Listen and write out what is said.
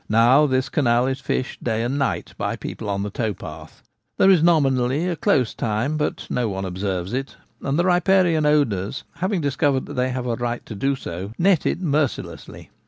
Now this canal is fished day and night by people on the tow path : there is nominally a close time, but no one observes it, and the riparian owners, having discovered that they had a right so to do, net it mercilessly.